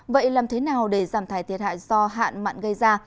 vậy làm thế nào để giảm thải thiệt hại do hạn mặn gây ra